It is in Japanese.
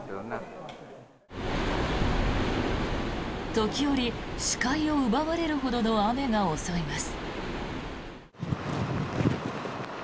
時折、視界を奪われるほどの雨が襲います。